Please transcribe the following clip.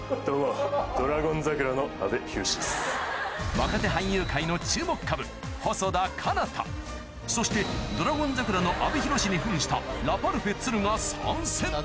若手俳優界の注目株そして『ドラゴン桜』の阿部寛に扮したラパルフェ・都留が参戦